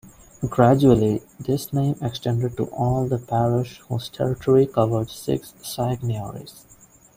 Gradually, this name extended to all the parish whose territory covered six seigniories.